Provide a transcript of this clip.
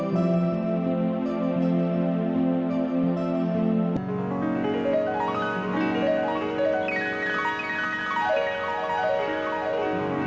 สวัสดีครับสวัสดีครับสวัสดีครับ